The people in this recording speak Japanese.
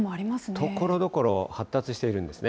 ところどころ発達しているんですね。